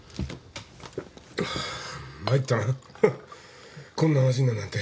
参ったなこんな話になるなんて。